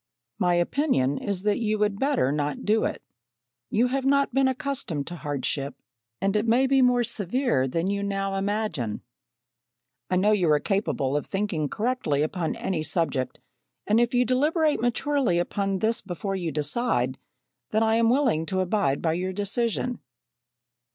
My opinion is that you would better not do it. You have not been accustomed to hardship, and it may be more severe than you now imagine. "I know you are capable of thinking correctly upon any subject and if you deliberate maturely upon this before you decide, then I am willing to abide by your decision."